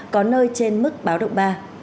có nơi trên báo động ba